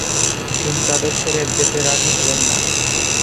ভীম তাদের ছেড়ে যেতে রাজি হলেন না।